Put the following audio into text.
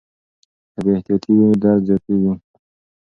که بې احتیاطي وي درد زیاتېږي.